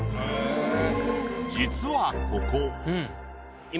実はここ。